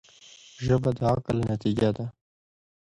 ژبه د عقل نتیجه ده